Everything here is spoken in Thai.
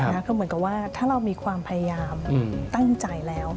ก็เหมือนกับว่าถ้าเรามีความพยายามตั้งใจแล้ว